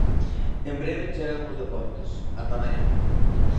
En breve chegan os deportes, ata mañá!